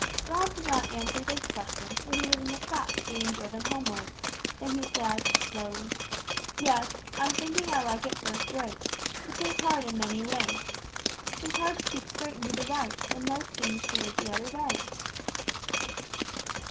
Rob did not answer this question till he was in the trap being driven homeward; then he said, slowly, "Yes, I'm thinking I like it first rate, but 'tis hard in many ways. 'Tis hard to keep straight and do the right, when most seems to live the other way."